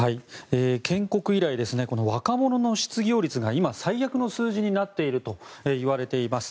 建国以来若者の失業率が今、最悪の数字になっていると言われています。